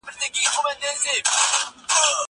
زه اوږده وخت سبا ته فکر کوم.